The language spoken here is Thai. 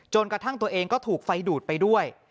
กระทั่งตัวเองก็ถูกไฟดูดไปด้วย